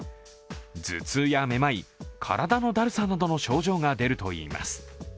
頭痛やめまい、体のだるさなどの症状が出るといいます。